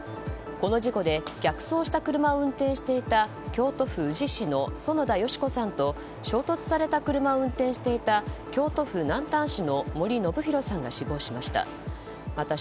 この事故で逆走した車を運転していた京都府宇治市の園田佳子さんと衝突された車を運転していた京都府南丹市の森伸広さんが死亡しました。